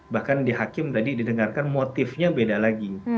bahkan di hakim tadi didengarkan motifnya beda lagi